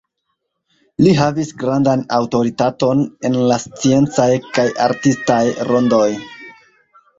Li havis grandan aŭtoritaton en la sciencaj kaj artistaj rondoj.